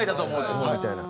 思うみたいな。